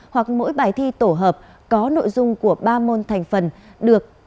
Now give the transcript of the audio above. hoặc mỗi bài thi tổ hợp có nội dung của ba môn thành phần được